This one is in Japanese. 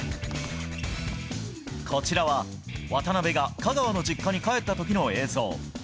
こちらは渡邊が香川の実家に帰った時の映像。